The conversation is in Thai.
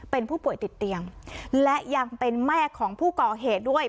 เป็นผู้ป่วยติดเตียงและยังเป็นแม่ของผู้ก่อเหตุด้วย